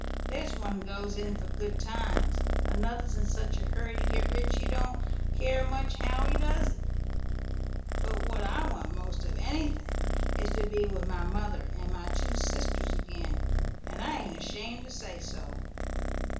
There's one goes in for good times; another's in such a hurry to get rich he don't care much how he does it; but what I want most of anything is to be with my mother and my two sisters again, and I ain't ashamed to say so."